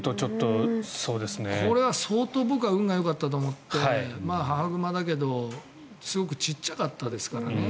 僕はこれは相当運がよかったと思って母熊だけどすごくちっちゃかったですからね。